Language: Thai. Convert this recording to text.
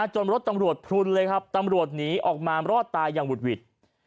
รถตำรวจพลุนเลยครับตำรวจหนีออกมารอดตายอย่างหุดหวิด